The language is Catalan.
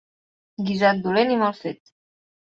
Guisat dolent i mal fet.